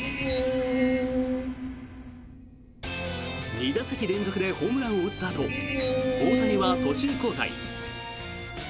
２打席連続でホームランを打ったあと大谷は途中交代。